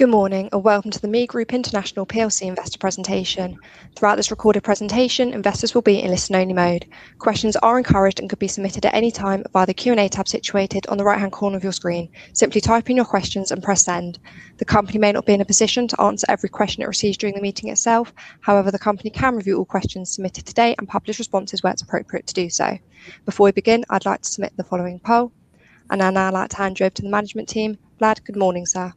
Good morning, and welcome to the ME Group International plc investor presentation. Throughout this recorded presentation, investors will be in listen-only mode. Questions are encouraged and could be submitted at any time via the Q&A tab situated on the right-hand corner of your screen. Simply type in your questions and press send. The company may not be in a position to answer every question it receives during the meeting itself. However, the company can review all questions submitted today and publish responses where it's appropriate to do so. Before we begin, I'd like to submit the following poll, and I'd now like to hand you over to the management team. Vlad, good morning, sir.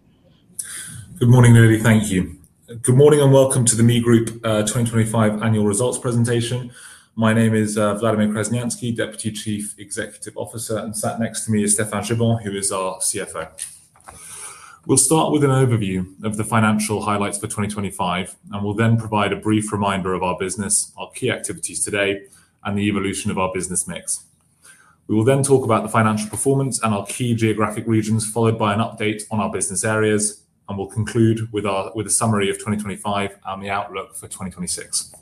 Good morning, Lily. Thank you. Good morning and welcome to the ME Group 2025 annual results presentation. My name is Vladimir Crasneanscki, Deputy Chief Executive Officer, and sat next to me is Stéphane Gibon, who is our CFO. We'll start with an overview of the financial highlights for 2025, and we'll then provide a brief reminder of our business, our key activities today, and the evolution of our business mix. We will then talk about the financial performance and our key geographic regions, followed by an update on our business areas, and we'll conclude with a summary of 2025 and the outlook for 2026.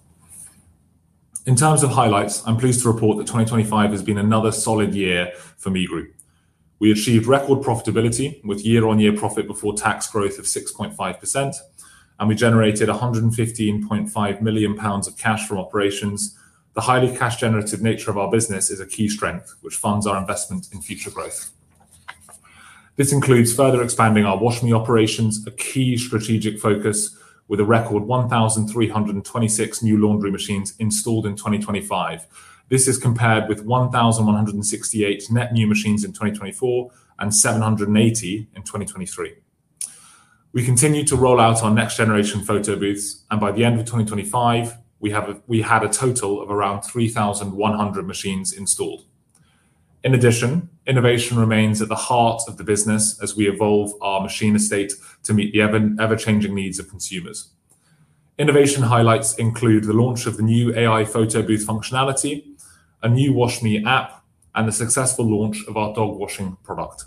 In terms of highlights, I'm pleased to report that 2025 has been another solid year for ME Group. We achieved record profitability with year-on-year profit before tax growth of 6.5%, and we generated 115.5 million pounds of cash from operations. The highly cash generative nature of our business is a key strength, which funds our investment in future growth. This includes further expanding our Wash.ME operations, a key strategic focus with a record 1,326 new laundry machines installed in 2025. This is compared with 1,168 net new machines in 2024 and 780 in 2023. We continue to roll out our next-generation photobooths, and by the end of 2025, we had a total of around 3,100 machines installed. In addition, innovation remains at the heart of the business as we evolve our machine estate to meet the ever-changing needs of consumers. Innovation highlights include the launch of the new AI photo booth functionality, a new Wash.ME App, and the successful launch of our dog washing product.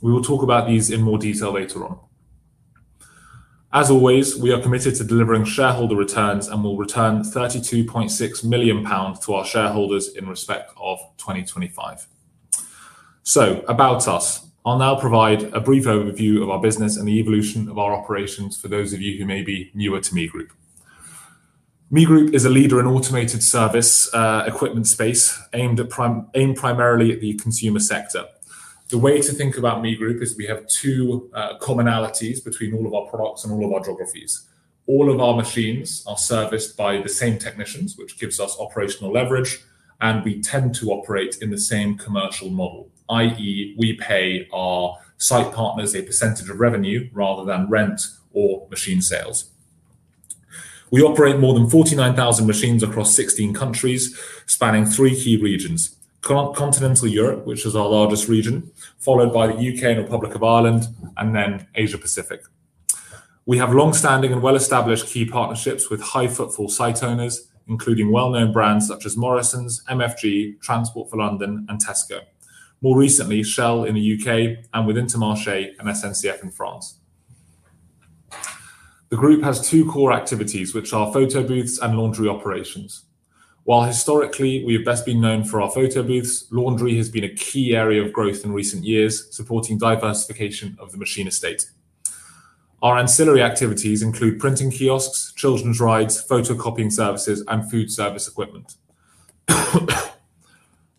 We will talk about these in more detail later on. As always, we are committed to delivering shareholder returns and will return 32.6 million pounds to our shareholders in respect of 2025. About us. I'll now provide a brief overview of our business and the evolution of our operations for those of you who may be newer to ME Group. ME Group is a leader in automated service equipment space aimed primarily at the consumer sector. The way to think about ME Group is we have two commonalities between all of our products and all of our geographies. All of our machines are serviced by the same technicians, which gives us operational leverage, and we tend to operate in the same commercial model, i.e., we pay our site partners a percentage of revenue rather than rent or machine sales. We operate more than 49,000 machines across 16 countries, spanning three key regions, continental Europe, which is our largest region, followed by the U.K. and Republic of Ireland, and then Asia Pacific. We have long-standing and well-established key partnerships with high-footfall site owners, including well-known brands such as Morrisons, MFG, Transport for London, and Tesco. More recently, Shell in the U.K. and with Intermarché and SNCF in France. The group has two core activities, which are photo booths and laundry operations. While historically we have best been known for our photo booths, laundry has been a key area of growth in recent years, supporting diversification of the machine estate. Our ancillary activities include printing kiosks, children's rides, photocopying services, and food service equipment.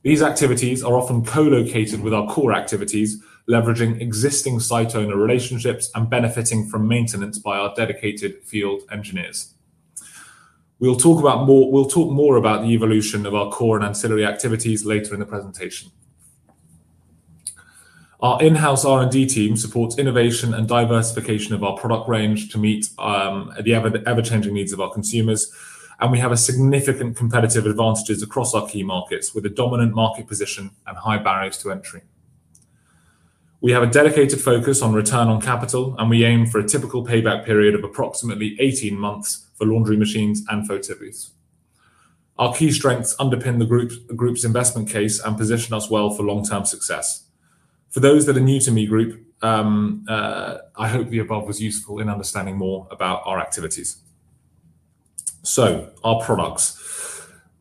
These activities are often co-located with our core activities, leveraging existing site owner relationships and benefiting from maintenance by our dedicated field engineers. We'll talk more about the evolution of our core and ancillary activities later in the presentation. Our in-house R&D team supports innovation and diversification of our product range to meet the ever-changing needs of our consumers, and we have a significant competitive advantages across our key markets with a dominant market position and high barriers to entry. We have a dedicated focus on return on capital, and we aim for a typical payback period of approximately 18 months for laundry machines and photo booths. Our key strengths underpin the group's investment case and position us well for long-term success. For those that are new to ME Group, I hope the above was useful in understanding more about our activities. Our products.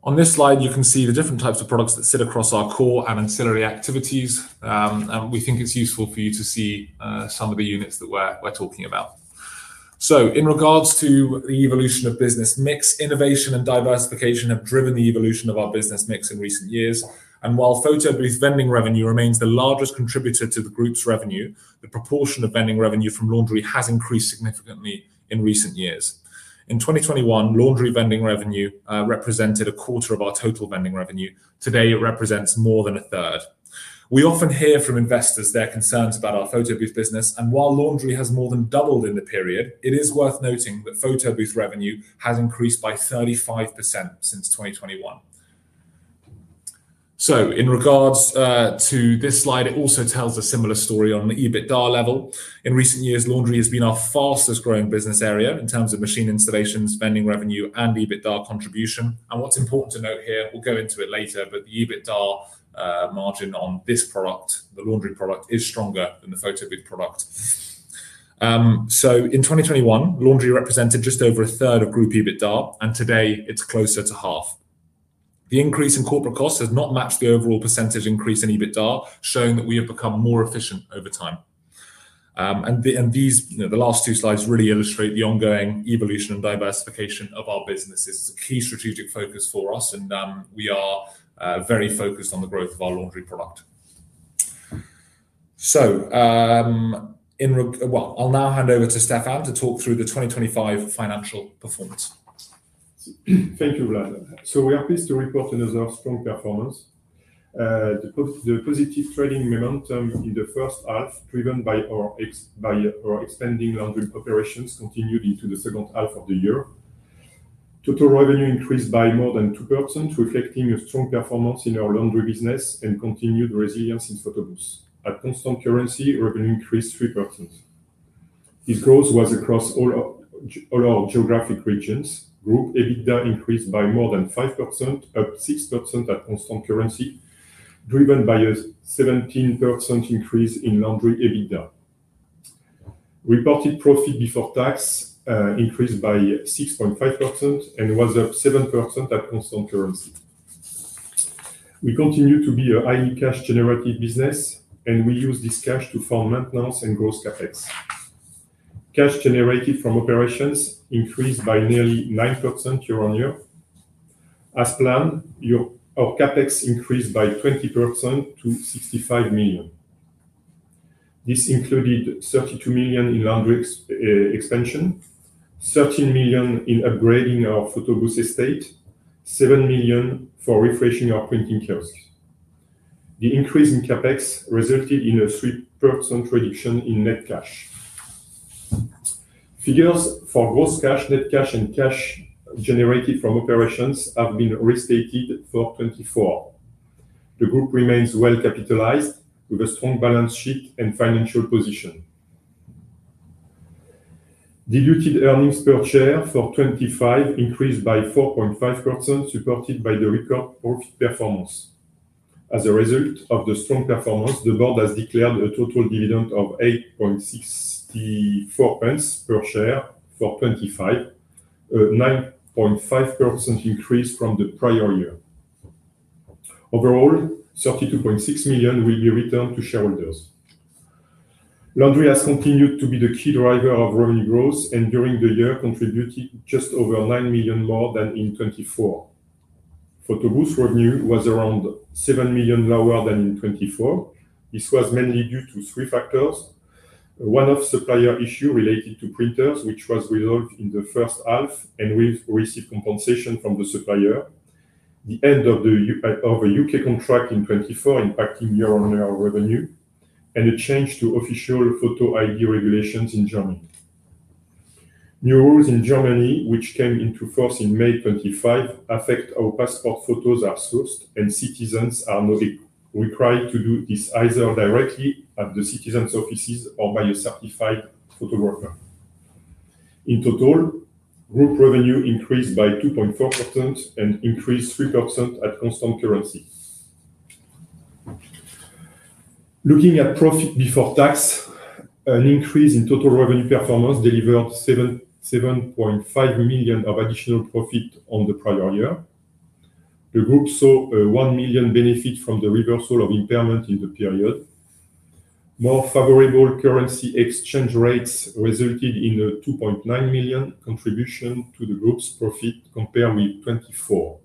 On this slide, you can see the different types of products that sit across our core and ancillary activities, and we think it's useful for you to see some of the units that we're talking about. In regards to the evolution of business mix, innovation and diversification have driven the evolution of our business mix in recent years. While photo booth vending revenue remains the largest contributor to the group's revenue, the proportion of vending revenue from laundry has increased significantly in recent years. In 2021, laundry vending revenue represented a quarter of our total vending revenue. Today, it represents more than a third. We often hear from investors their concerns about our photo booth business, and while laundry has more than doubled in the period, it is worth noting that photo booth revenue has increased by 35% since 2021. In regards to this slide, it also tells a similar story on the EBITDA level. In recent years, laundry has been our fastest-growing business area in terms of machine installations, vending revenue, and EBITDA contribution. What's important to note here, we'll go into it later, but the EBITDA margin on this product, the laundry product, is stronger than the photo booth product. In 2021, laundry represented just over a third of group EBITDA, and today it's closer to half. The increase in corporate costs has not matched the overall percentage increase in EBITDA, showing that we have become more efficient over time. These, you know, the last two slides really illustrate the ongoing evolution and diversification of our businesses. It's a key strategic focus for us, and we are very focused on the growth of our laundry product. Well, I'll now hand over to Stéphane to talk through the 2025 financial performance. Thank you, Vlad. We are pleased to report another strong performance. The positive trading momentum in the first half, driven by our expanding laundry operations, continued into the second half of the year. Total revenue increased by more than 2%, reflecting a strong performance in our laundry business and continued resilience in Photobooth. At constant currency, revenue increased 3%. This growth was across all our geographic regions. Group EBITDA increased by more than 5%, up 6% at constant currency, driven by a 17% increase in laundry EBITDA. Reported profit before tax increased by 6.5% and was up 7% at constant currency. We continue to be a highly cash generative business, and we use this cash to fund maintenance and gross CapEx. Cash generated from operations increased by nearly 9% year-on-year. As planned, our CapEx increased by 20% to 65 million. This included 32 million in laundry expansion, 13 million in upgrading our photobooth estate, 7 million for refreshing our printing kiosks. The increase in CapEx resulted in a 3% reduction in net cash. Figures for gross cash, net cash, and cash generated from operations have been restated for 2024. The group remains well capitalized with a strong balance sheet and financial position. Diluted earnings per share for 2025 increased by 4.5%, supported by the record profit performance. As a result of the strong performance, the board has declared a total dividend of 0.0864 per share for 2025, a 9.5% increase from the prior year. Overall, 32.6 million will be returned to shareholders. Laundry has continued to be the key driver of revenue growth, and during the year contributed just over 9 million more than in 2024. Photobooth's revenue was around 7 million lower than in 2024. This was mainly due to three factors. One-off supplier issue related to printers, which was resolved in the first half and we've received compensation from the supplier. The end of a UK contract in 2024 impacting year-on-year revenue. A change to official photo ID regulations in Germany. New rules in Germany, which came into force in May 2025, affect how our passport photos are sourced and citizens are now required to do this either directly at the citizens' offices or by a certified photographer. In total, Group revenue increased by 2.4% and increased 3% at constant currency. Looking at profit before tax, an increase in total revenue performance delivered 7.5 million of additional profit on the prior year. The group saw a 1 million benefit from the reversal of impairment in the period. More favorable currency exchange rates resulted in a 2.9 million contribution to the group's profit compared with 2024.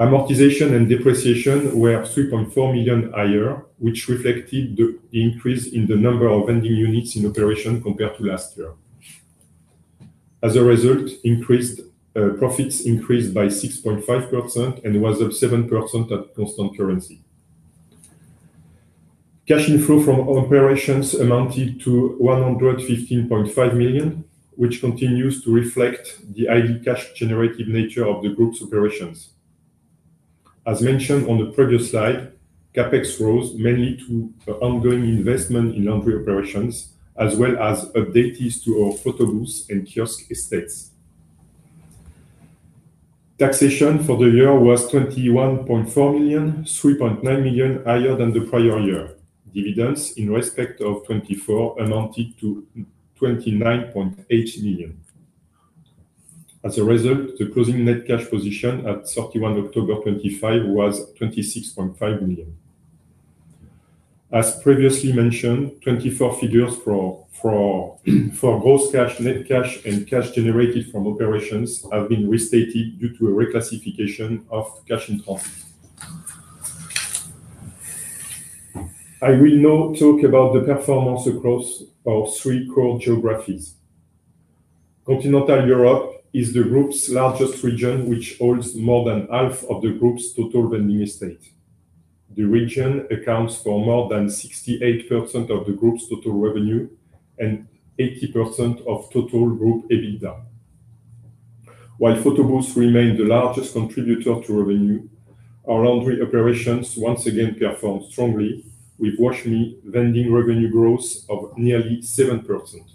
Amortization and depreciation were 3.4 million higher, which reflected the increase in the number of vending units in operation compared to last year. As a result, profits increased by 6.5% and was up 7% at constant currency. Cash inflow from operations amounted to 115.5 million, which continues to reflect the highly cash generative nature of the group's operations. As mentioned on the previous slide, CapEx rose mainly to ongoing investment in laundry operations, as well as updates to our Photobooth and kiosk estates. Taxation for the year was 21.4 million, 3.9 million higher than the prior year. Dividends in respect of 2024 amounted to 29.8 million. As a result, the closing net cash position at 31 October 2025 was 26.5 million. As previously mentioned, 2024 figures for gross cash, net cash and cash generated from operations have been restated due to a reclassification of cash in transit. I will now talk about the performance across our three core geographies. Continental Europe is the group's largest region, which holds more than half of the group's total vending estate. The region accounts for more than 68% of the group's total revenue and 80% of total group EBITDA. While Photo.ME remained the largest contributor to revenue, our laundry operations once again performed strongly with Wash.ME vending revenue growth of nearly 7%.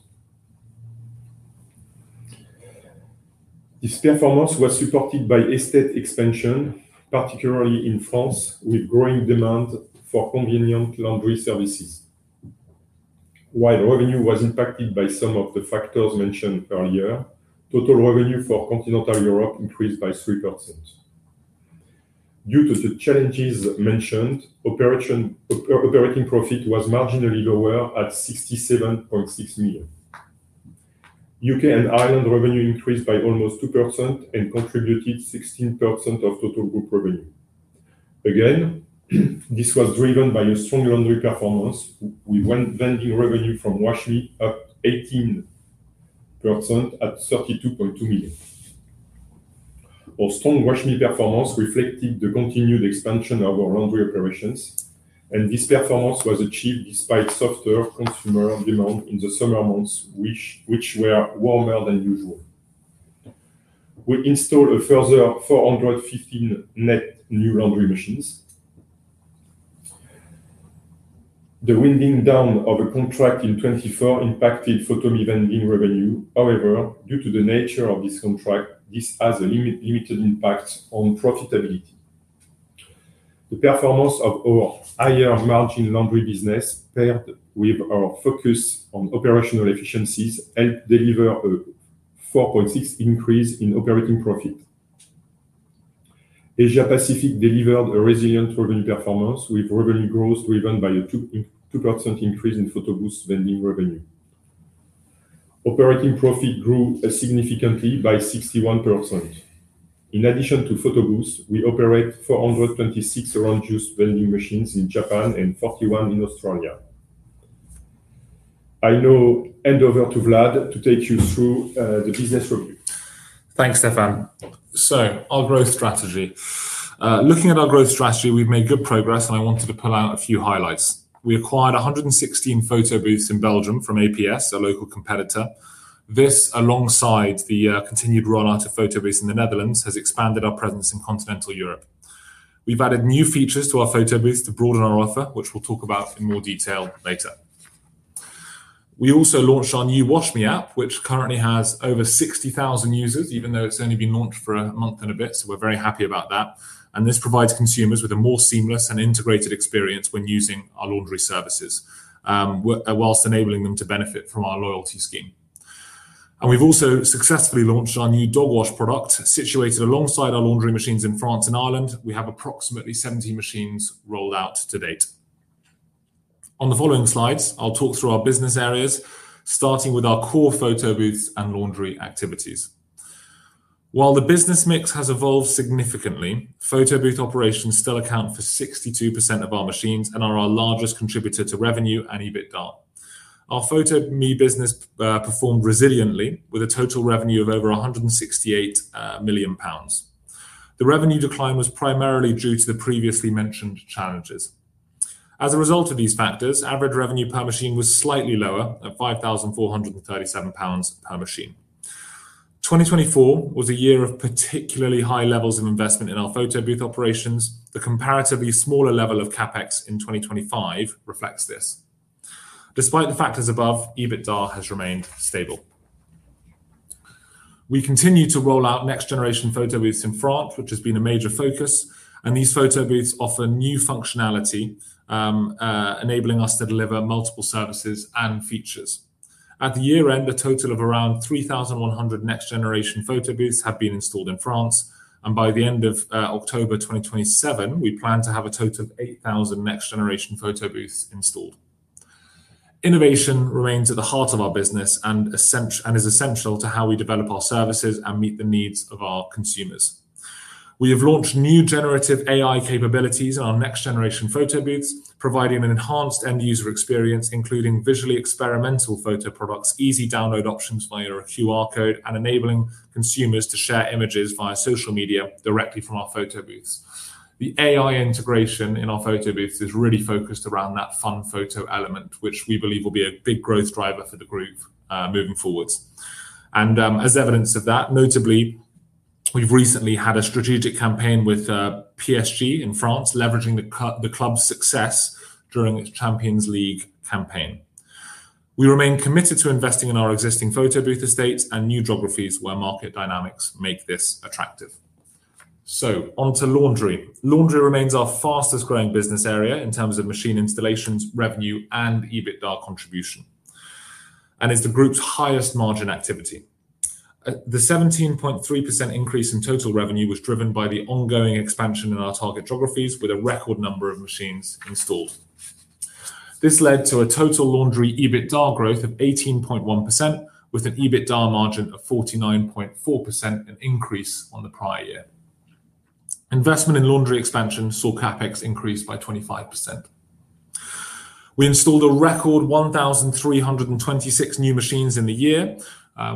This performance was supported by estate expansion, particularly in France, with growing demand for convenient laundry services. While revenue was impacted by some of the factors mentioned earlier, total revenue for Continental Europe increased by 3%. Due to the challenges mentioned, operating profit was marginally lower at 67.6 million. U.K. and Ireland revenue increased by almost 2% and contributed 16% of total group revenue. Again, this was driven by a strong laundry performance with vending revenue from Wash.ME up 18% at 32.2 million. Our strong Wash.ME performance reflected the continued expansion of our laundry operations, and this performance was achieved despite softer consumer demand in the summer months which were warmer than usual. We installed a further 415 net new laundry machines. The winding down of a contract in 2024 impacted Photo.ME vending revenue. However, due to the nature of this contract, this has a limited impact on profitability. The performance of our higher margin laundry business paired with our focus on operational efficiencies helped deliver a 4.6 increase in operating profit. Asia Pacific delivered a resilient revenue performance with revenue growth driven by a 2.2% increase in Photo.ME vending revenue. Operating profit grew significantly by 61%. In addition to Photo.ME, we operate 426 orange juice vending machines in Japan and 41 in Australia. I now hand over to Vlad to take you through the business review. Thanks, Stéphane. Our growth strategy. Looking at our growth strategy, we've made good progress, and I wanted to pull out a few highlights. We acquired 116 photo booths in Belgium from APS, a local competitor. This, alongside the continued rollout of photo booths in the Netherlands, has expanded our presence in continental Europe. We've added new features to our photo booths to broaden our offer, which we'll talk about in more detail later. We also launched our new Wash.ME app, which currently has over 60,000 users, even though it's only been launched for a month and a bit. We're very happy about that. This provides consumers with a more seamless and integrated experience when using our laundry services, while enabling them to benefit from our loyalty scheme. We've also successfully launched our new dog wash product, situated alongside our laundry machines in France and Ireland. We have approximately 70 machines rolled out to date. On the following slides, I'll talk through our business areas, starting with our core photo booths and laundry activities. While the business mix has evolved significantly, photo booth operations still account for 62% of our machines and are our largest contributor to revenue and EBITDA. Our Photo.ME business performed resiliently with a total revenue of over 168 million pounds. The revenue decline was primarily due to the previously mentioned challenges. As a result of these factors, average revenue per machine was slightly lower at 5,437 pounds per machine. 2024 was a year of particularly high levels of investment in our photo booth operations. The comparatively smaller level of CapEx in 2025 reflects this. Despite the factors above, EBITDA has remained stable. We continue to roll out next generation photo booths in France, which has been a major focus, and these photo booths offer new functionality, enabling us to deliver multiple services and features. At the year-end, a total of around 3,100 next generation photo booths have been installed in France, and by the end of October 2027, we plan to have a total of 8,000 next generation photo booths installed. Innovation remains at the heart of our business and is essential to how we develop our services and meet the needs of our consumers. We have launched new generative AI capabilities on our next-generation photobooths, providing an enhanced end user experience, including visually experimental photo products, easy download options via a QR code, and enabling consumers to share images via social media directly from our photobooths. The AI integration in our photobooths is really focused around that fun photo element, which we believe will be a big growth driver for the group, moving forward. As evidence of that, notably, we've recently had a strategic campaign with PSG in France, leveraging the club's success during its Champions League campaign. We remain committed to investing in our existing photobooth estates and new geographies where market dynamics make this attractive. On to laundry. Laundry remains our fastest growing business area in terms of machine installations, revenue, and EBITDA contribution, and is the group's highest margin activity. The 17.3% increase in total revenue was driven by the ongoing expansion in our target geographies with a record number of machines installed. This led to a total laundry EBITDA growth of 18.1%, with an EBITDA margin of 49.4%, an increase on the prior year. Investment in laundry expansion saw CapEx increase by 25%. We installed a record 1,326 new machines in the year.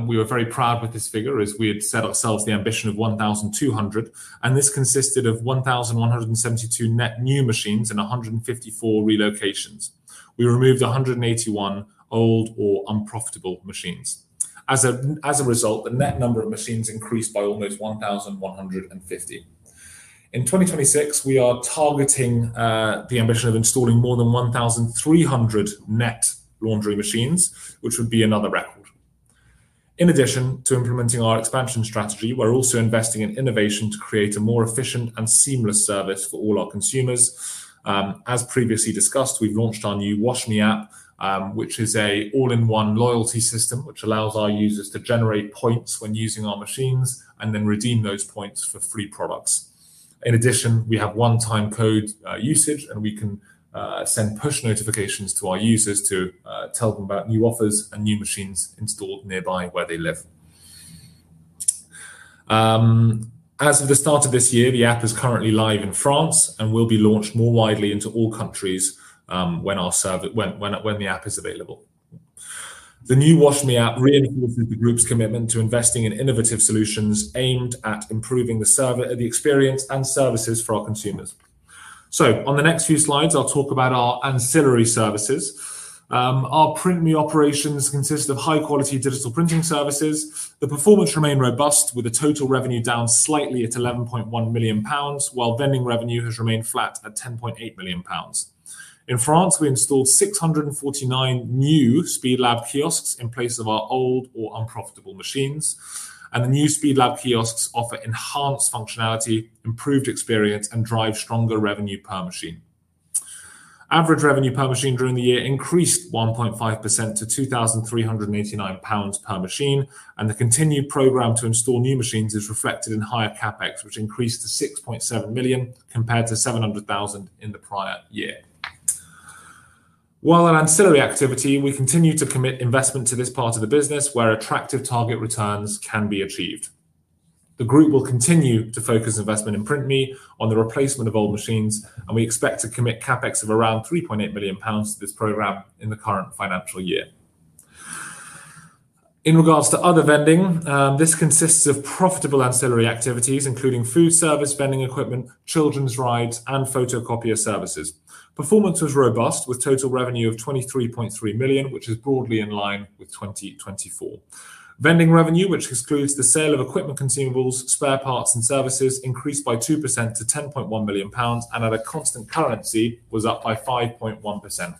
We were very proud with this figure as we had set ourselves the ambition of 1,200, and this consisted of 1,172 net new machines and 154 relocations. We removed 181 old or unprofitable machines. As a result, the net number of machines increased by almost 1,150. In 2026, we are targeting the ambition of installing more than 1,300 net laundry machines, which would be another record. In addition to implementing our expansion strategy, we're also investing in innovation to create a more efficient and seamless service for all our consumers. As previously discussed, we've launched our new Wash.ME app, which is an all-in-one loyalty system, which allows our users to generate points when using our machines and then redeem those points for free products. In addition, we have one-time code usage, and we can send push notifications to our users to tell them about new offers and new machines installed nearby where they live. As of the start of this year, the app is currently live in France and will be launched more widely into all countries when the app is available. The new Wash.ME app reinforces the group's commitment to investing in innovative solutions aimed at improving the experience and services for our consumers. On the next few slides, I'll talk about our ancillary services. Our Print.ME operations consist of high-quality digital printing services. The performance remained robust, with the total revenue down slightly at 11.1 million pounds, while vending revenue has remained flat at 10.8 million pounds. In France, we installed 649 new Speedlab kiosks in place of our old or unprofitable machines. The new Speedlab kiosks offer enhanced functionality, improved experience, and drive stronger revenue per machine. Average revenue per machine during the year increased 1.5% to 2,389 pounds per machine, and the continued program to install new machines is reflected in higher CapEx, which increased to 6.7 million compared to 700,000 in the prior year. While an ancillary activity, we continue to commit investment to this part of the business where attractive target returns can be achieved. The group will continue to focus investment in PrintMe on the replacement of old machines, and we expect to commit CapEx of around 3.8 million pounds to this program in the current financial year. In regards to other vending, this consists of profitable ancillary activities, including Feed.ME, Amuse.ME, and Copy.ME. Performance was robust, with total revenue of 23.3 million, which is broadly in line with 2024. Vending revenue, which excludes the sale of equipment consumables, spare parts, and services, increased by 2% to 10.1 million pounds and at a constant currency was up by 5.1%.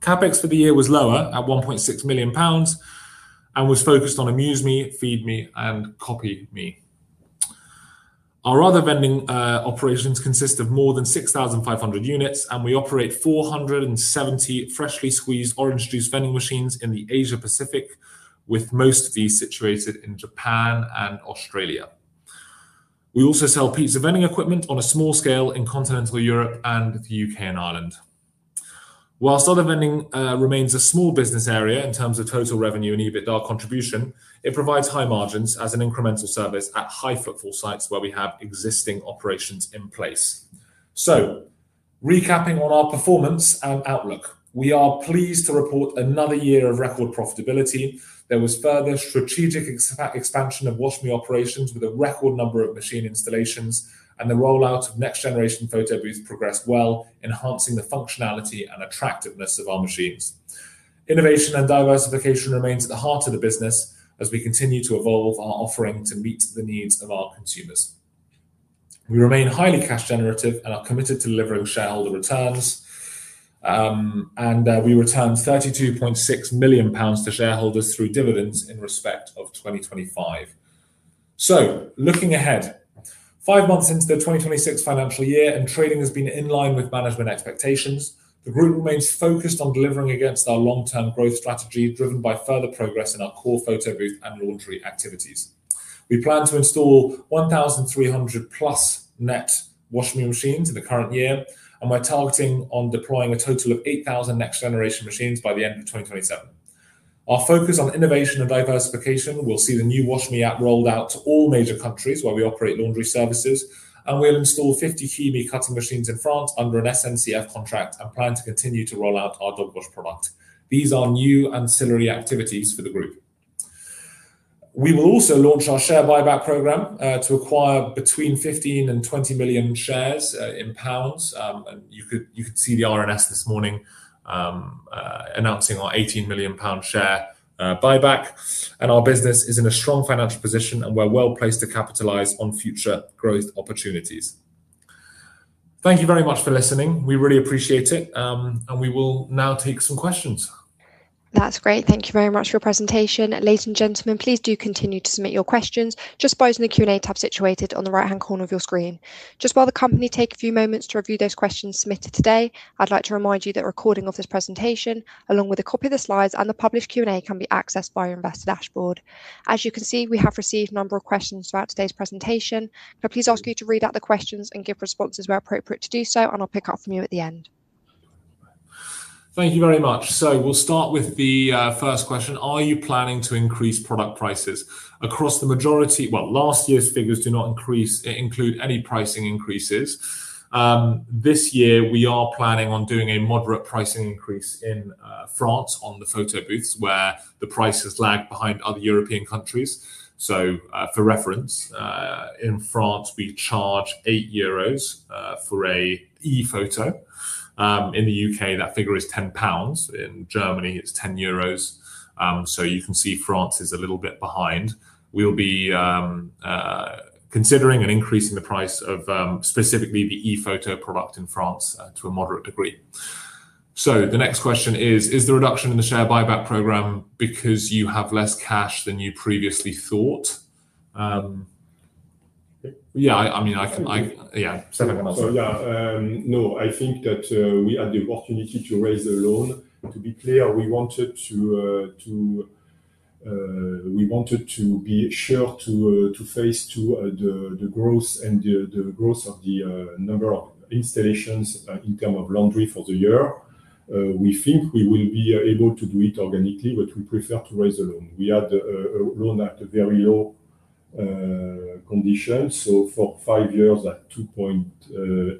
CapEx for the year was lower at 1.6 million pounds and was focused on Amuse.ME, Feed.ME, and Copy.ME. Our other vending operations consist of more than 6,500 units, and we operate 470 freshly squeezed orange juice vending machines in the Asia Pacific, with most of these situated in Japan and Australia. We also sell pizza vending equipment on a small scale in continental Europe and the U.K. and Ireland. While other vending remains a small business area in terms of total revenue and EBITDA contribution, it provides high margins as an incremental service at high-footfall sites where we have existing operations in place. Recapping on our performance and outlook. We are pleased to report another year of record profitability. There was further strategic expansion of Wash.ME operations with a record number of machine installations, and the rollout of next-generation photobooths progressed well, enhancing the functionality and attractiveness of our machines. Innovation and diversification remains at the heart of the business as we continue to evolve our offering to meet the needs of our consumers. We remain highly cash generative and are committed to delivering shareholder returns. We returned 32.6 million pounds to shareholders through dividends in respect of 2025. Looking ahead, five months into the 2026 financial year and trading has been in line with management expectations. The group remains focused on delivering against our long-term growth strategy, driven by further progress in our core photo booth and laundry activities. We plan to install 1,300+ net Wash.ME machines in the current year, and we're targeting on deploying a total of 8,000 next-generation machines by the end of 2027. Our focus on innovation and diversification will see the new Wash.ME app rolled out to all major countries where we operate laundry services, and we'll install 50 KeyMe cutting machines in France under an SNCF contract and plan to continue to roll out our Dog Wash product. These are new ancillary activities for the group. We will also launch our share buyback program to acquire between 15 and 20 million shares in GBP. You could see the RNS this morning announcing our 18 million pound share buyback. Our business is in a strong financial position, and we're well-placed to capitalize on future growth opportunities. Thank you very much for listening. We really appreciate it. We will now take some questions. That's great. Thank you very much for your presentation. Ladies and gentlemen, please do continue to submit your questions just by using the Q&A tab situated on the right-hand corner of your screen. Just while the company take a few moments to review those questions submitted today, I'd like to remind you that a recording of this presentation, along with a copy of the slides and the published Q&A, can be accessed via Investor Dashboard. As you can see, we have received a number of questions throughout today's presentation. Can I please ask you to read out the questions and give responses where appropriate to do so, and I'll pick up from you at the end. Thank you very much. We'll start with the first question. Are you planning to increase product prices? Well, last year's figures do not include any pricing increases. This year, we are planning on doing a moderate pricing increase in France on the photo booths where the prices lag behind other European countries. For reference, in France, we charge 8 euros for a ePhoto. In the U.K., that figure is 10 pounds. In Germany, it's 10 euros. You can see France is a little bit behind. We'll be considering an increase in the price of specifically the ePhoto product in France to a moderate degree. The next question is the reduction in the share buyback program because you have less cash than you previously thought? Yeah, I mean, yeah. Stéphane, why don't you take that one? Yeah. No, I think that we had the opportunity to raise a loan. To be clear, we wanted to be sure to face the growth of the number of installations in terms of laundry for the year. We think we will be able to do it organically, but we prefer to raise a loan. We had a loan at a very low condition, so for five years at 2.8%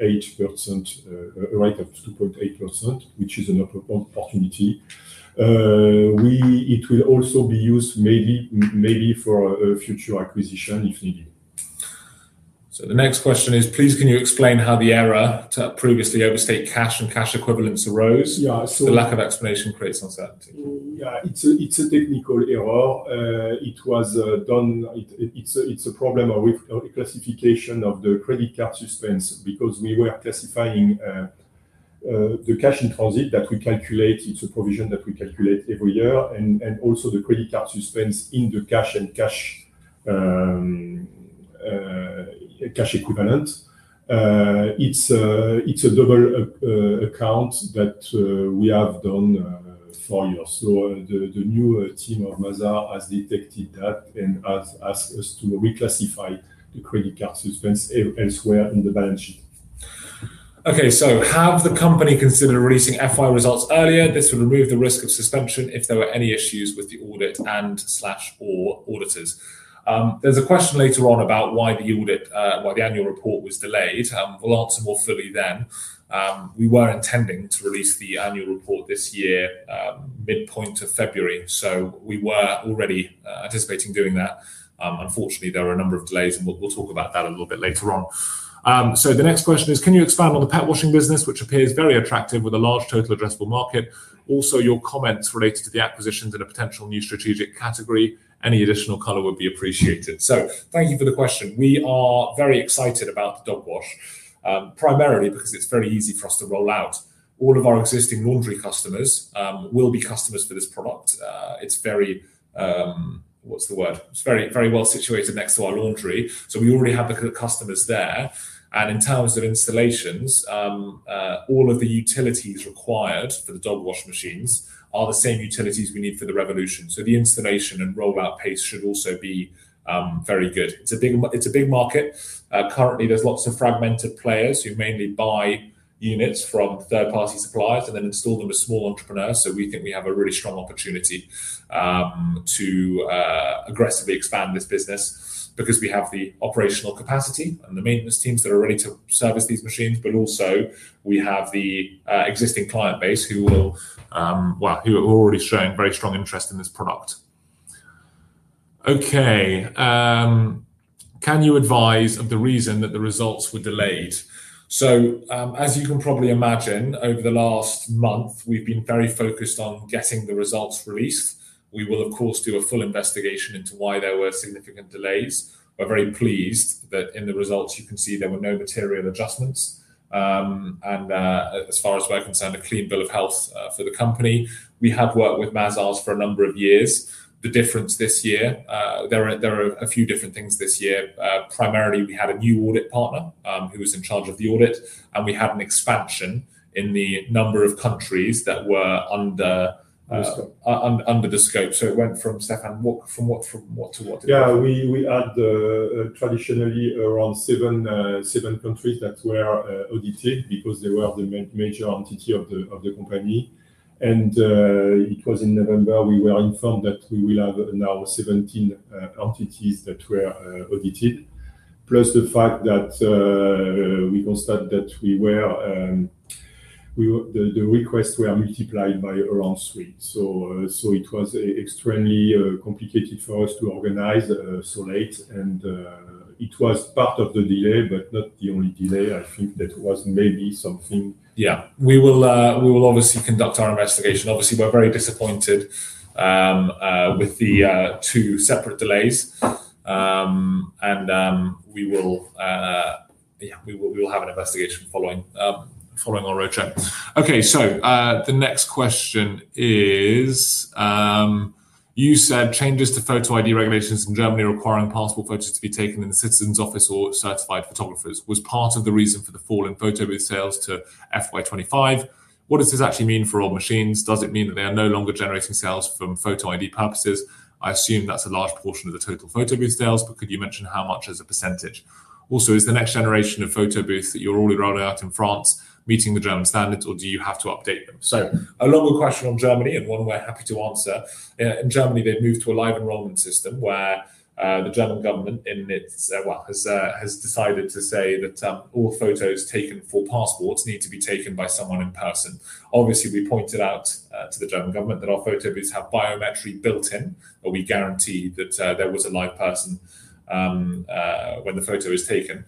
rate of 2.8%, which is an opportunity. It will also be used maybe for a future acquisition if needed. The next question is, please can you explain how the error to previously overstate cash and cash equivalents arose? Yeah. The lack of explanation creates uncertainty. It's a technical error. It's a problem with reclassification of the credit card suspense because we were classifying the cash in transit that we calculate. It's a provision that we calculate every year and also the credit card suspense in the cash and cash equivalents. It's a double account that we have done for years. The new team of Mazars has detected that and has asked us to reclassify the credit card suspense elsewhere in the balance sheet. Okay. Have the company considered releasing FY results earlier? This would remove the risk of suspension if there were any issues with the audit and/or auditors. There's a question later on about why the annual report was delayed. We'll answer more fully then. We were intending to release the annual report this year, midpoint of February. We were already anticipating doing that. Unfortunately, there were a number of delays, and we'll talk about that a little bit later on. The next question is, can you expand on the pet washing business, which appears very attractive with a large total addressable market? Also, your comments related to the acquisitions in a potential new strategic category. Any additional color would be appreciated. Thank you for the question. We are very excited about the Dog Wash, primarily because it's very easy for us to roll out. All of our existing laundry customers will be customers for this product. It's very, what's the word? It's very, very well situated next to our laundry, so we already have the customers there. In terms of installations, all of the utilities required for the Dog Wash machines are the same utilities we need for the Revolution. The installation and rollout pace should also be very good. It's a big market. Currently there's lots of fragmented players who mainly buy units from third-party suppliers and then install them with small entrepreneurs. We think we have a really strong opportunity to aggressively expand this business because we have the operational capacity and the maintenance teams that are ready to service these machines, but also we have the existing client base who will, well, who are already showing very strong interest in this product. Okay. Can you advise of the reason that the results were delayed? As you can probably imagine, over the last month, we've been very focused on getting the results released. We will, of course, do a full investigation into why there were significant delays. We're very pleased that in the results you can see there were no material adjustments. As far as we're concerned, a clean bill of health for the company. We have worked with Mazars for a number of years. The difference this year, there are a few different things this year. Primarily, we had a new audit partner, who was in charge of the audit, and we had an expansion in the number of countries that were under. Under scope. under the scope. It went from Stéphane, from what to what again? We had traditionally around seven countries that were audited because they were the major entity of the company. It was in November, we were informed that we will have now 17 entities that were audited. Plus the fact that we considered that the requests were multiplied by around three. It was extremely complicated for us to organize so late, and it was part of the delay, but not the only delay. I think that was maybe something. We will obviously conduct our investigation. Obviously, we're very disappointed with the two separate delays. We will have an investigation following our roadshow. Okay. The next question is, you said changes to photo ID regulations in Germany requiring passport photos to be taken in the citizen's office or certified photographers was part of the reason for the fall in photobooth sales to FY 2025. What does this actually mean for all machines? Does it mean that they are no longer generating sales from photo ID purposes? I assume that's a large proportion of the total photobooth sales, but could you mention how much as a percentage? Is the next-generation photobooths that you're already rolling out in France meeting the German standards, or do you have to update them? A longer question on Germany and one we're happy to answer. In Germany, they've moved to a live enrollment system where the German government has decided to say that all photos taken for passports need to be taken by someone in person. Obviously, we pointed out to the German government that our photobooths have biometric built in, or we guarantee that there was a live person when the photo is taken.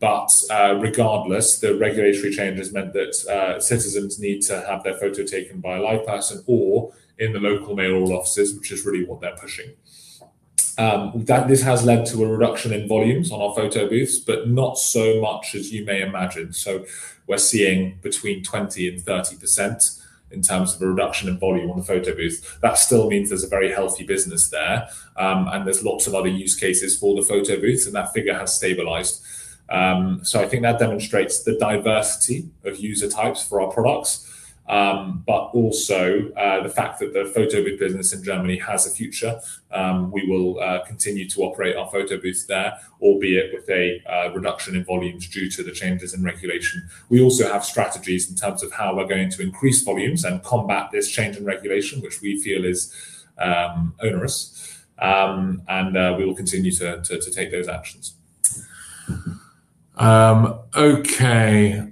Regardless, the regulatory changes meant that citizens need to have their photo taken by a live person or in the local mayoral offices, which is really what they're pushing. That this has led to a reduction in volumes on our photo booths, but not so much as you may imagine. We're seeing between 20% and 30% in terms of a reduction in volume on the photo booth. That still means there's a very healthy business there, and there's lots of other use cases for the photo booth, and that figure has stabilized. I think that demonstrates the diversity of user types for our products, but also the fact that the photo booth business in Germany has a future. We will continue to operate our photo booths there, albeit with a reduction in volumes due to the changes in regulation. We also have strategies in terms of how we're going to increase volumes and combat this change in regulation, which we feel is onerous. We will continue to take those actions. Okay.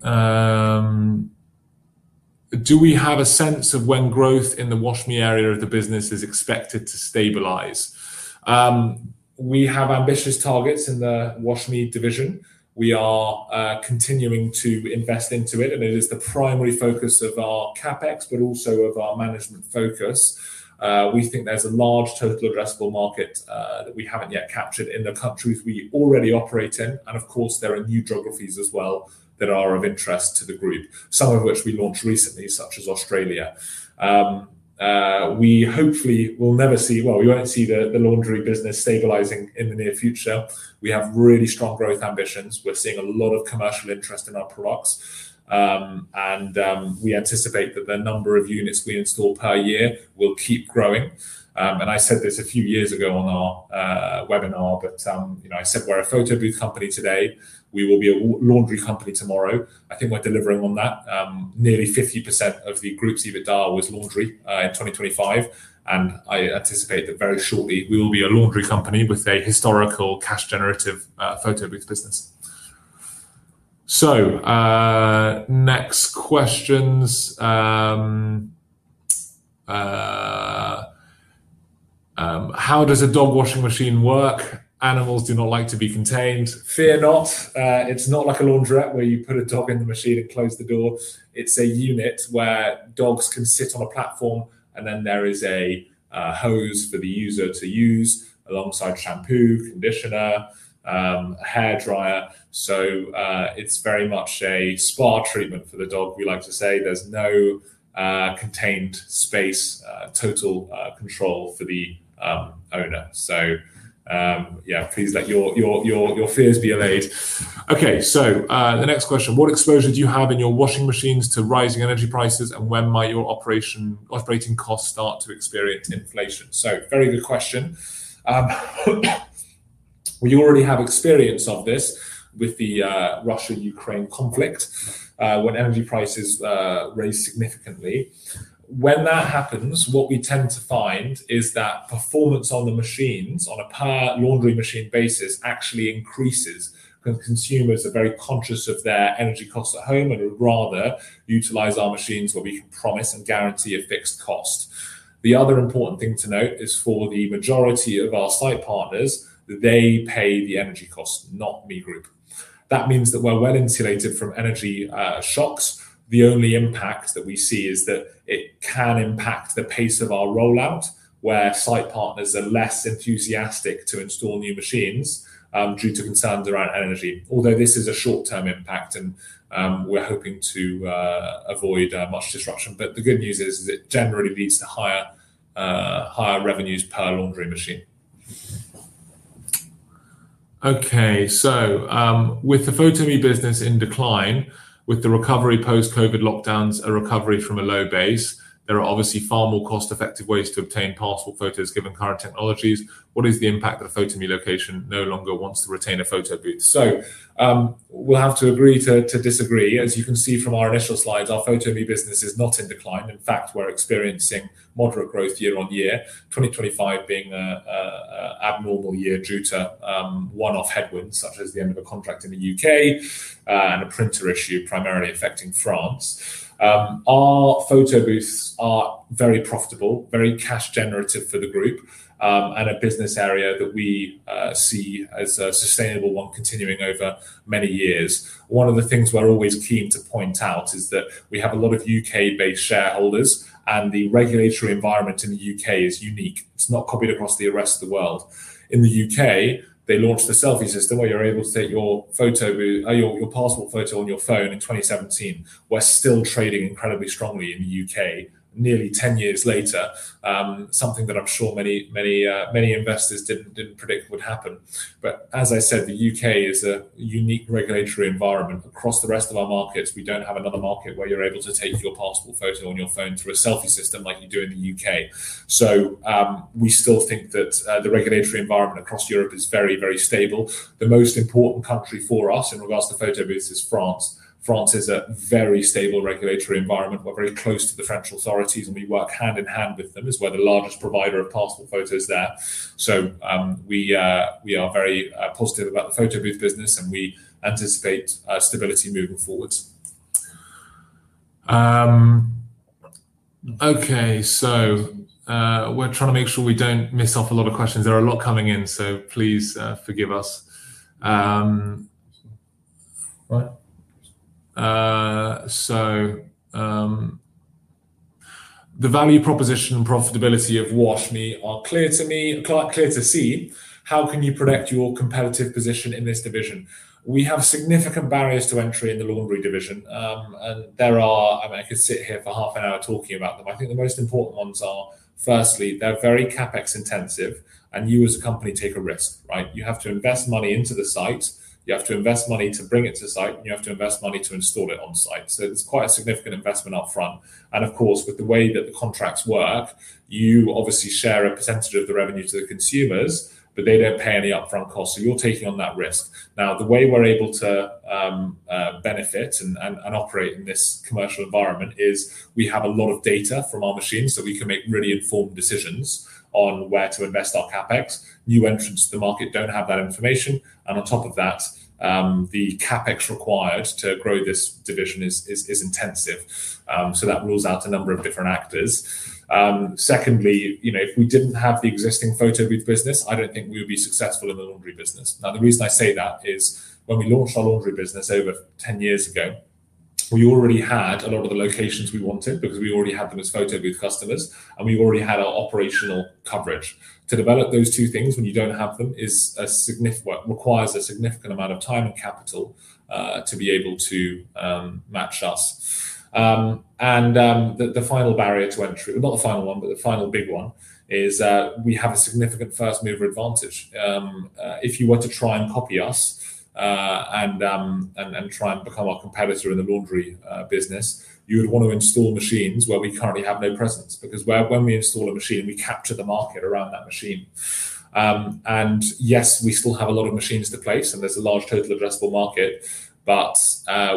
Do we have a sense of when growth in the Wash.ME area of the business is expected to stabilize? We have ambitious targets in the Wash.ME division. We are continuing to invest into it, and it is the primary focus of our CapEx, but also of our management focus. We think there's a large total addressable market that we haven't yet captured in the countries we already operate in. Of course, there are new geographies as well that are of interest to the group, some of which we launched recently, such as Australia. Well, we won't see the laundry business stabilizing in the near future. We have really strong growth ambitions. We're seeing a lot of commercial interest in our products. We anticipate that the number of units we install per year will keep growing. I said this a few years ago on our webinar, but you know, I said, we're a photo booth company today, we will be a laundry company tomorrow. I think we're delivering on that. Nearly 50% of the group's EBITDA was laundry in 2025, and I anticipate that very shortly we will be a laundry company with a historical cash generative photo booth business. Next questions. How does a dog washing machine work? Animals do not like to be contained. Fear not, it's not like a laundrette where you put a dog in the machine and close the door. It's a unit where dogs can sit on a platform, and then there is a hose for the user to use alongside shampoo, conditioner, hairdryer. It's very much a spa treatment for the dog, we like to say. There's no contained space, total control for the owner. Yeah, please let your fears be allayed. Okay. The next question, what exposure do you have in your washing machines to rising energy prices, and when might your operating costs start to experience inflation? Very good question. We already have experience of this with the Russia-Ukraine conflict, when energy prices rose significantly. When that happens, what we tend to find is that performance on the machines on a per laundry machine basis actually increases because consumers are very conscious of their energy costs at home and would rather utilize our machines where we can promise and guarantee a fixed cost. The other important thing to note is for the majority of our site partners, they pay the energy costs, not ME Group. That means that we're well-insulated from energy shocks. The only impact that we see is that it can impact the pace of our rollout, where site partners are less enthusiastic to install new machines due to concerns around energy. Although this is a short-term impact, we're hoping to avoid much disruption. The good news is it generally leads to higher revenues per laundry machine. With the Photo.ME business in decline, with the recovery post-COVID lockdowns, a recovery from a low base, there are obviously far more cost-effective ways to obtain passport photos given current technologies. What is the impact if a Photo.ME location no longer wants to retain a photo booth? We'll have to agree to disagree. As you can see from our initial slides, our Photo.ME business is not in decline. In fact, we're experiencing moderate growth year on year. 2025 being an abnormal year due to one-off headwinds, such as the end of a contract in the U.K., and a printer issue primarily affecting France. Our photo booths are very profitable, very cash generative for the group, and a business area that we see as a sustainable one continuing over many years. One of the things we're always keen to point out is that we have a lot of U.K.-based shareholders, and the regulatory environment in the U.K. is unique. It's not copied across the rest of the world. In the U.K., they launched the selfie system, where you're able to take your passport photo on your phone in 2017. We're still trading incredibly strongly in the U.K. nearly 10 years later. Something that I'm sure many investors didn't predict would happen. As I said, the UK is a unique regulatory environment. Across the rest of our markets, we don't have another market where you're able to take your passport photo on your phone through a selfie system like you do in the UK. We still think that the regulatory environment across Europe is very, very stable. The most important country for us in regards to photo booths is France. France is a very stable regulatory environment. We're very close to the French authorities, and we work hand in hand with them as we're the largest provider of passport photos there. We are very positive about the photo booth business, and we anticipate stability moving forward. Okay. We're trying to make sure we don't miss out on a lot of questions. There are a lot coming in, please forgive us. The value proposition and profitability of Wash.ME are clear to me, clear to see. How can you predict your competitive position in this division? We have significant barriers to entry in the laundry division. There are, I mean, I could sit here for half an hour talking about them. I think the most important ones are, firstly, they're very CapEx intensive, and you as a company take a risk, right? You have to invest money into the site. You have to invest money to bring it to site, and you have to invest money to install it on site. It's quite a significant investment up front. Of course, with the way that the contracts work, you obviously share a percentage of the revenue to the consumers, but they don't pay any upfront costs. You're taking on that risk. Now, the way we're able to benefit and operate in this commercial environment is we have a lot of data from our machines, so we can make really informed decisions on where to invest our CapEx. New entrants to the market don't have that information. On top of that, the CapEx required to grow this division is intensive. So that rules out a number of different actors. Secondly, you know, if we didn't have the existing photobooth business, I don't think we would be successful in the laundry business. Now, the reason I say that is when we launched our laundry business over 10 years ago, we already had a lot of the locations we wanted because we already had them as photobooth customers, and we already had our operational coverage. To develop those two things when you don't have them requires a significant amount of time and capital to be able to match us. The final barrier to entry, not the final one, but the final big one is we have a significant first mover advantage. If you were to try and copy us and try and become our competitor in the laundry business, you would want to install machines where we currently have no presence. Because when we install a machine, we capture the market around that machine. Yes, we still have a lot of machines to place, and there's a large total addressable market, but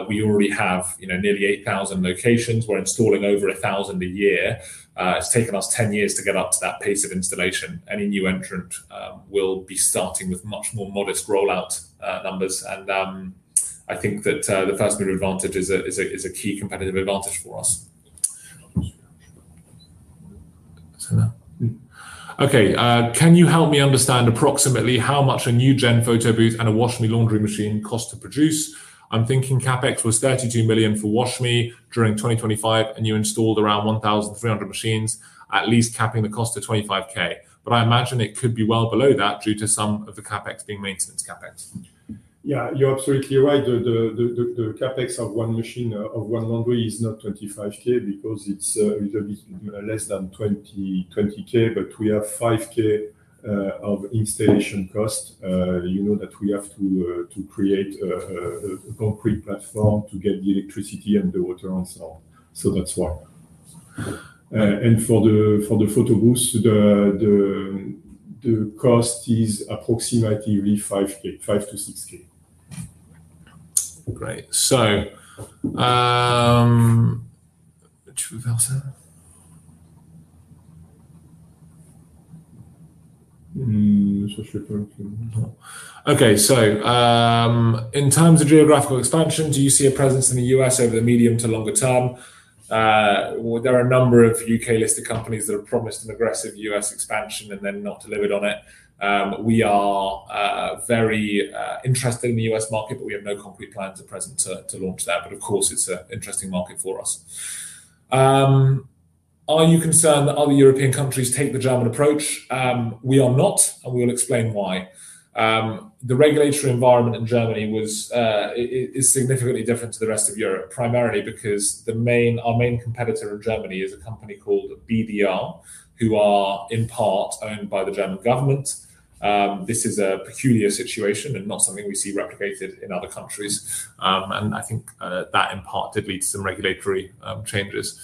we already have, you know, nearly 8,000 locations. We're installing over 1,000 a year. It's taken us 10 years to get up to that pace of installation. Any new entrant will be starting with much more modest rollout numbers. I think that the first mover advantage is a key competitive advantage for us. Okay. Can you help me understand approximately how much a next-generation photobooth and a Wash.ME laundry machine cost to produce? I'm thinking CapEx was 32 million for Wash.ME during 2025, and you installed around 1,300 machines, at least capping the cost of 25K. I imagine it could be well below that due to some of the CapEx being maintenance CapEx. Yeah, you're absolutely right. The CapEx of one machine of one laundry is not 25,000 because it's a bit less than 20,000, but we have 5,000 of installation cost. You know that we have to create a concrete platform to get the electricity and the water and so on. That's why. For the photobooths, the cost is approximately 5,000-6,000. Great. Okay. In terms of geographical expansion, do you see a presence in the U.S. over the medium to longer term? There are a number of U.K.-listed companies that have promised an aggressive U.S. expansion and then not delivered on it. We are very interested in the U.S. market, but we have no concrete plans at present to launch there. Of course, it's an interesting market for us. Are you concerned that other European countries take the German approach? We are not, and we will explain why. The regulatory environment in Germany was is significantly different to the rest of Europe, primarily because our main competitor in Germany is a company called Bundesdruckerei, who are in part owned by the German government. This is a peculiar situation and not something we see replicated in other countries. I think that in part did lead to some regulatory changes.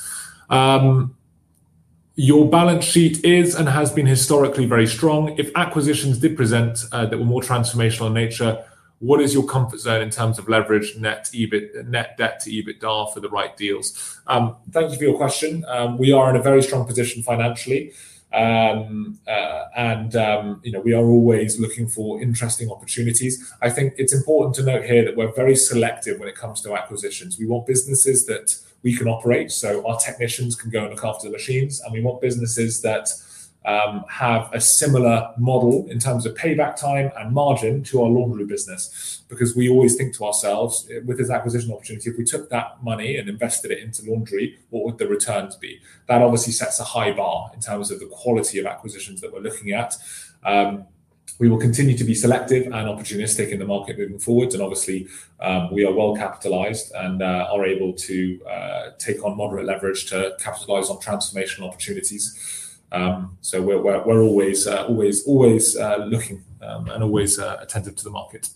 Your balance sheet is and has been historically very strong. If acquisitions did present that were more transformational in nature, what is your comfort zone in terms of leverage net debt to EBITDA for the right deals? Thank you for your question. We are in a very strong position financially. You know, we are always looking for interesting opportunities. I think it's important to note here that we're very selective when it comes to acquisitions. We want businesses that we can operate, so our technicians can go and look after the machines. We want businesses that have a similar model in terms of payback time and margin to our laundry business, because we always think to ourselves, with this acquisition opportunity, if we took that money and invested it into laundry, what would the returns be? That obviously sets a high bar in terms of the quality of acquisitions that we're looking at. We will continue to be selective and opportunistic in the market moving forward. Obviously, we are well capitalized and are able to take on moderate leverage to capitalize on transformational opportunities. We're always looking and always attentive to the market.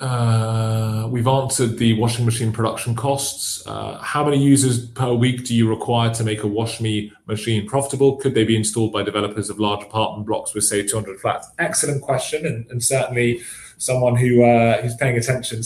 We've answered the washing machine production costs. How many users per week do you require to make a Wash.ME machine profitable? Could they be installed by developers of large apartment blocks with, say, 200 flats? Excellent question, and certainly someone who's paying attention.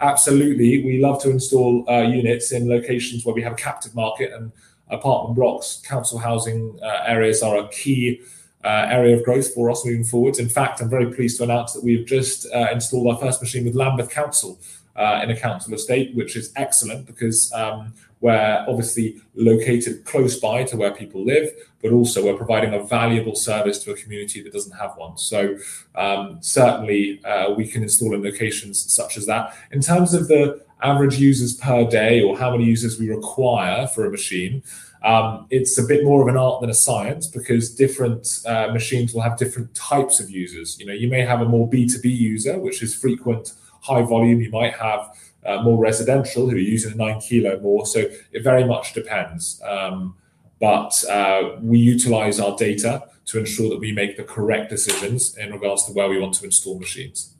Absolutely. We love to install units in locations where we have captive market, and apartment blocks, council housing, areas are a key area of growth for us moving forward. In fact, I'm very pleased to announce that we've just installed our first machine with Lambeth Council in a council estate, which is excellent because we're obviously located close by to where people live, but also we're providing a valuable service to a community that doesn't have one. Certainly, we can install in locations such as that. In terms of the average users per day or how many users we require for a machine, it's a bit more of an art than a science because different machines will have different types of users. You know, you may have a more B2B user, which is frequent, high volume. You might have more residential who are using a 9-kilo load. It very much depends. We utilize our data to ensure that we make the correct decisions in regards to where we want to install machines.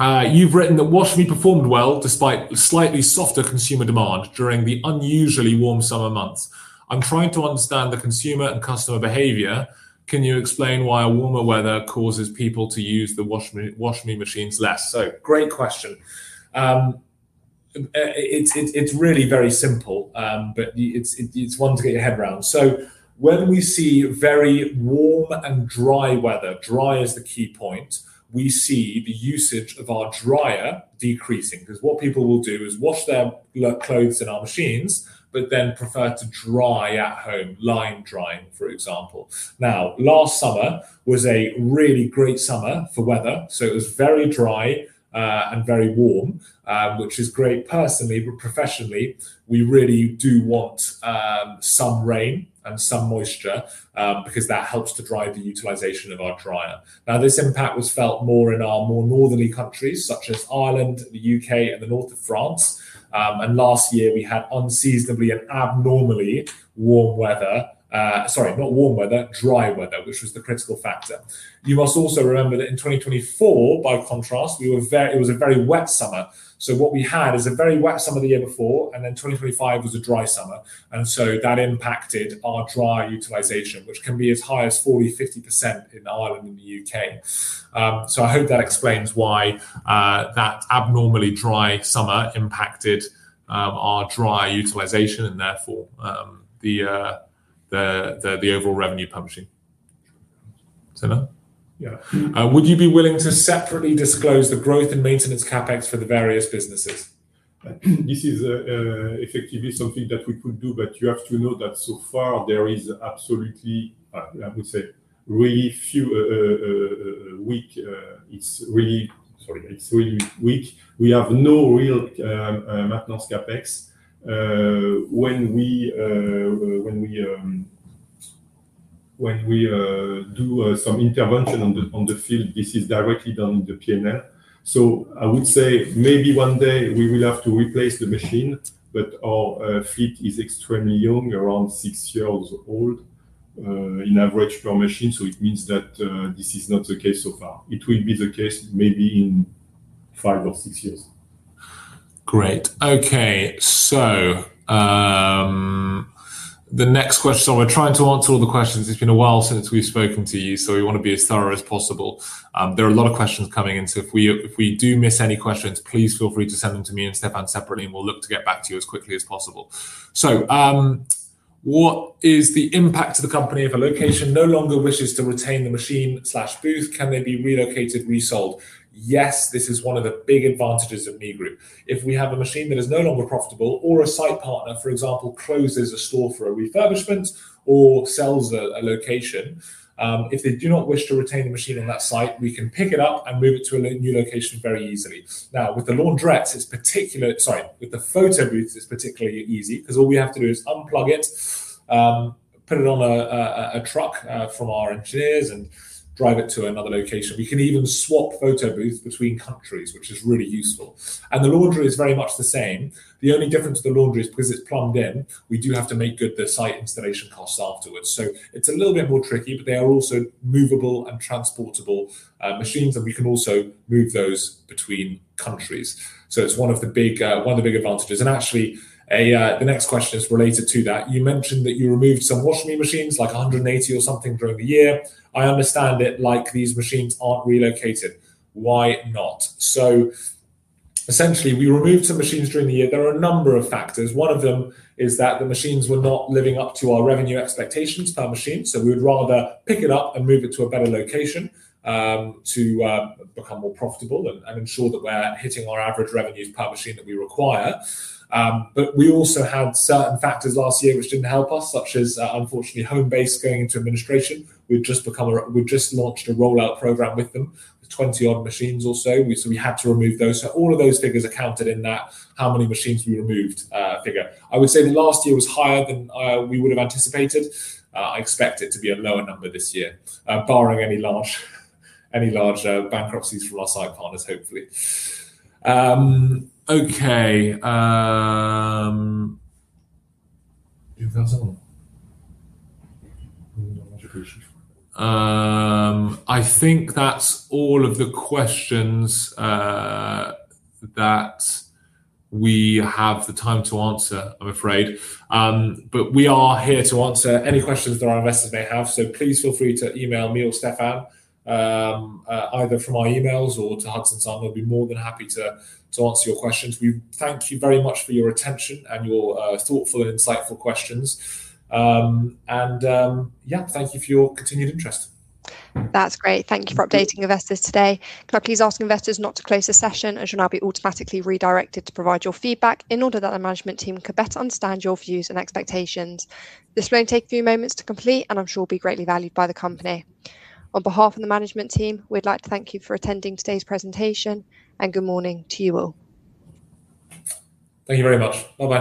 You've written that Wash.Me performed well despite slightly softer consumer demand during the unusually warm summer months. I'm trying to understand the consumer and customer behavior. Can you explain why warmer weather causes people to use the Wash.Me machines less? Great question. It's really very simple, but it's one to get your head around. When we see very warm and dry weather, dry is the key point, we see the usage of our dryer decreasing. Because what people will do is wash their clothes in our machines but then prefer to dry at home, line dry, for example. Now, last summer was a really great summer for weather, so it was very dry and very warm, which is great personally, but professionally, we really do want some rain and some moisture, because that helps to drive the utilization of our dryer. Now, this impact was felt more in our more northerly countries such as Ireland, the U.K., and the north of France. Last year we had unseasonably and abnormally warm weather. Sorry, not warm weather, dry weather, which was the critical factor. You must also remember that in 2024, by contrast, it was a very wet summer. What we had is a very wet summer the year before, and then 2025 was a dry summer. That impacted our dryer utilization, which can be as high as 40%-50% in Ireland and the U.K. I hope that explains why that abnormally dry summer impacted our dryer utilization and therefore the overall revenue per machine. Stéphane? Yeah. Would you be willing to separately disclose the growth and maintenance CapEx for the various businesses? This is effectively something that we could do, but you have to know that so far there is absolutely, I would say, really weak. Sorry, it's really weak. We have no real maintenance CapEx. When we do some intervention on the field, this is directly done in the P&L. I would say maybe one day we will have to replace the machine, but our fleet is extremely young, around six years old, on average per machine, so it means that this is not the case so far. It will be the case maybe in five or six years. Great. Okay. The next question. We're trying to answer all the questions. It's been a while since we've spoken to you, so we want to be as thorough as possible. There are a lot of questions coming in, so if we do miss any questions, please feel free to send them to me and Stéphane separately, and we'll look to get back to you as quickly as possible. What is the impact to the company if a location no longer wishes to retain the machine/booth? Can they be relocated, resold? Yes, this is one of the big advantages of ME Group. If we have a machine that is no longer profitable or a site partner, for example, closes a store for a refurbishment or sells a location, if they do not wish to retain the machine on that site, we can pick it up and move it to a new location very easily. Now, with the photobooths, it's particularly easy because all we have to do is unplug it, put it on a truck from our engineers and drive it to another location. We can even swap photobooths between countries, which is really useful. The laundry is very much the same. The only difference with the laundry is because it's plumbed in, we do have to make good the site installation costs afterwards. It's a little bit more tricky, but they are also movable and transportable machines, and we can also move those between countries. It's one of the big advantages. Actually, the next question is related to that. You mentioned that you removed some Wash.ME machines, like 180 or something during the year. I understand that, like, these machines aren't relocated. Why not? Essentially, we removed some machines during the year. There are a number of factors. One of them is that the machines were not living up to our revenue expectations per machine, so we would rather pick it up and move it to a better location to become more profitable and ensure that we're hitting our average revenues per machine that we require. We also had certain factors last year which didn't help us, such as, unfortunately, Homebase going into administration. We've just launched a rollout program with them, 20-odd machines or so. We had to remove those. All of those figures are counted in that, how many machines we removed, figure. I would say last year was higher than we would have anticipated. I expect it to be a lower number this year, barring any large bankruptcies from our site partners, hopefully. Okay. Do you have some more? I think that's all of the questions that we have the time to answer, I'm afraid. We are here to answer any questions that our investors may have, so please feel free to email me or Stéphane, either from our emails or to Hudson's team. We'll be more than happy to answer your questions. We thank you very much for your attention and your thoughtful and insightful questions. Yeah, thank you for your continued interest. That's great. Thank you for updating investors today. Can I please ask investors not to close the session, as you'll now be automatically redirected to provide your feedback in order that the management team can better understand your views and expectations. This will only take a few moments to complete, and I'm sure will be greatly valued by the company. On behalf of the management team, we'd like to thank you for attending today's presentation, and good morning to you all. Thank you very much. Bye-bye.